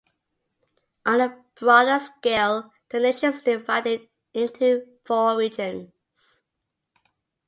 On a broader scale, the nation is divided into four regions.